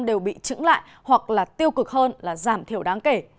đều bị trứng lại hoặc là tiêu cực hơn là giảm thiểu đáng kể